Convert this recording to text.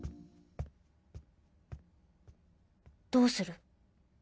どうする？